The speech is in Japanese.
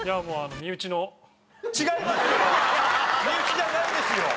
身内じゃないですよ。